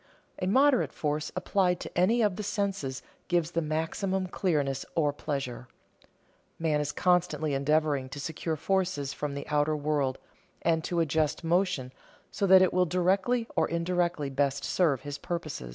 A moderate force applied to any of the senses gives the maximum clearness or pleasure. Man is constantly endeavoring to secure forces from the outer world and to adjust motion so that it will directly or indirectly best serve his purposes.